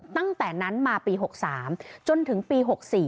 ตั้งแต่นั้นมาปี๖๓จนถึงปี๖๔